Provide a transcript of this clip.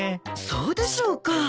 そうでしょうか？